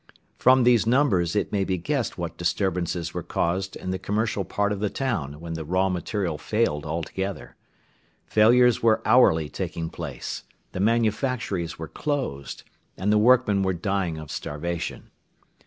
From these numbers it may be guessed what disturbances were caused in the commercial part of the town when the raw material failed altogether. Failures were hourly taking place, the manufactories were closed, and the workmen were dying of starvation.